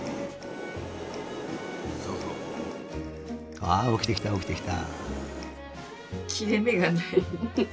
ああおきてきたおきてきた。